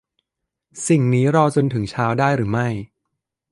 สิ่งนี้รอจนถึงเช้าได้หรือไม่